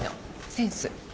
センス。